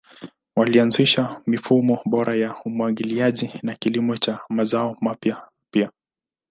Walianzisha mifumo bora ya umwagiliaji na kilimo cha mazao mapya pia.